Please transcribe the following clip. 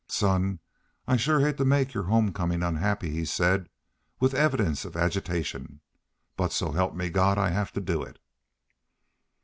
"Son, I shore hate to make your home comin' unhappy," he said, with evidence of agitation, "but so help me God I have to do it!"